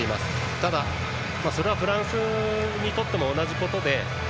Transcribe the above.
ただ、それはフランスにとっても同じことで。